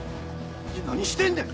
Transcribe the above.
何してんねん！